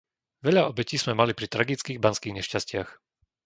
Veľa obetí sme mali pri tragických banských nešťastiach.